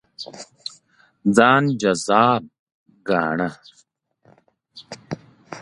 ځان جذاب ګاڼه.